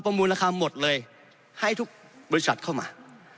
มูลค่าหมดเลยให้ทุกบริษัทเข้ามา